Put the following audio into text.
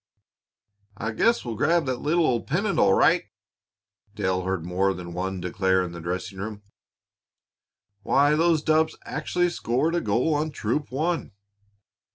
"I guess we'll grab that little old pennant, all right," Dale heard more than one declare in the dressing room. "Why, those dubs actually scored a goal on Troop One!"